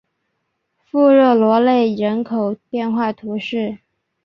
富热罗勒人口变化图示